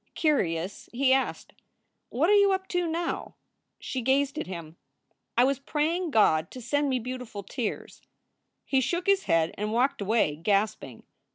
Curious, he asked, "What are you up to now?" She gazed at him. "I was praying God to send me beau tiful tears. " He shook his head and walked away, gasping.